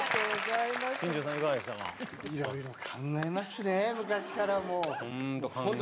いろいろ考えますね、昔から本当。